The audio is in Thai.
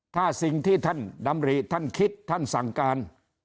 ถ้าสิ่งที่ท่านดำริท่านคิดท่านสั่งการ